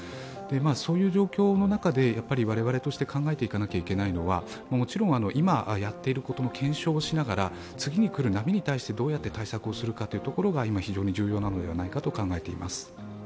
そういう状況の中で、我々として考えていかなきゃいけないのはもちろん今やっていることの検証もしながら次に来る波に対してどうやって対策をするのかが今、非常に重要なのではないかと考えています。